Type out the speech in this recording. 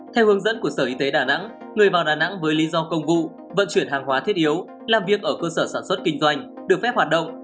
theo hướng dẫn của sở y tế đà nẵng người vào đà nẵng với lý do công vụ vận chuyển hàng hóa thiết yếu làm việc ở cơ sở sản xuất kinh doanh được phép hoạt động